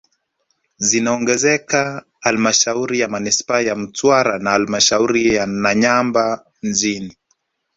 Zinaongezeka halmashauri ya manispaa ya Mtwara na halmashauri ya Nanyamba mjini